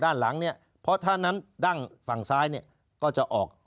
ด้านหลังเนี่ยเพราะถ้านั้นดั้งฝั่งซ้ายเนี่ยก็จะออก